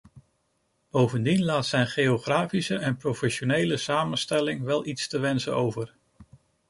Bovendien laat zijn geografische en professionele samenstelling wel iets te wensen over.